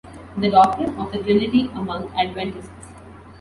"The Doctrine of the Trinity Among Adventists".